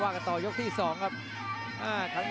สามกดต้องรีบแยก